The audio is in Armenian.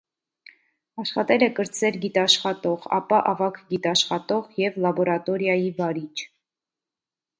Աշխատել է կրտսեր գիտաշխատող, ապա՝ ավագ գիտաշխատող և լաբորատորիայի վարիչ։